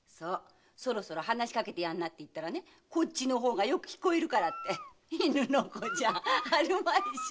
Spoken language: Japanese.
そろそろ話しかけてやんなって言ったらこっちの方がよく聞こえるからって犬の子じゃあるまいし。